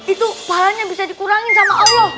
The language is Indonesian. itu pahalanya bisa dikurangin sama allah